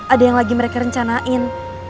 ada yang lagi mereka rencanain